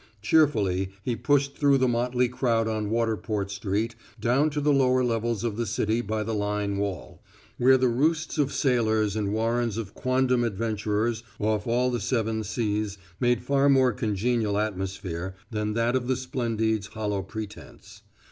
Cheerfully he pushed through the motley crowd on Waterport Street down to the lower levels of the city by the Line Wall, where the roosts of sailors and warrens of quondam adventurers off all the seven seas made far more congenial atmosphere than that of the Splendide's hollow pretense.